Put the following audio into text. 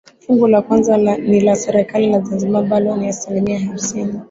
Fungu la kwanza ni la serikali ya zanzibar ambalo ni asilimia hamsini